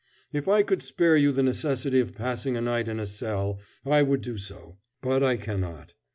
If I could spare you the necessity of passing a night in a cell I would do so; but I cannot.